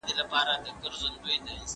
د رئیس مرستیالان څه کار کوي؟